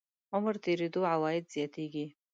عمر تېرېدو عواید زیاتېږي.